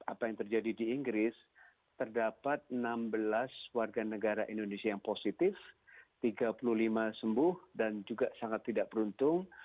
apa yang terjadi di inggris terdapat enam belas warga negara indonesia yang positif tiga puluh lima sembuh dan juga sangat tidak beruntung